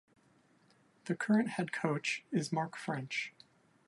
The current head coach is Mark French.